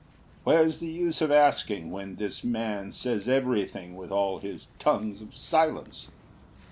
Where's the use Of asking when this man says everything, With all his tongues of silence?